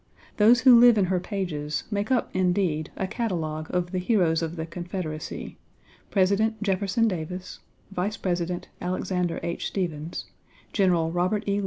Those who live in her pages make up indeed a catalogue of the heroes of, the Confederacy President Jefferson Davis, Vice President Alexander H. Stephens, General Robert E.